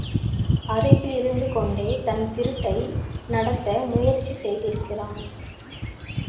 அருகில் இருந்துகொண்டே தன் திருட்டை நடத்த முயற்சி செய்திருக்கிறான்.